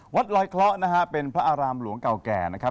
วัดลอยเคราะห์นะฮะเป็นพระอารามหลวงเก่าแก่นะครับ